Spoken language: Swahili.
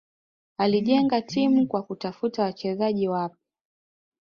Alijenga timu kwa kutafuta wachezaji wapya